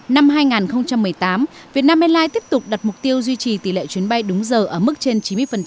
năm hai nghìn một mươi tám việt nam airlines tiếp tục đặt mục tiêu duy trì tỷ lệ chuyến bay đúng giờ ở mức trên chín mươi